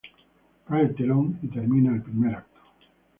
Cae el telón y termina el primer acto.